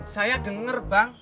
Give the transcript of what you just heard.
saya denger bang